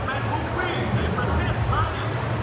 ขอบคุณสไตล์รุ่นรับวันมาก